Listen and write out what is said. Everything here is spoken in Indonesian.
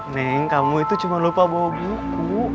neng kamu itu cuma lupa bawa buku